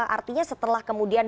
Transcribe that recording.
artinya setelah kemudian